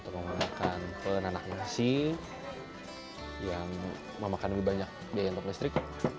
menggunakan penanak nasi yang memakan lebih banyak biaya untuk listrik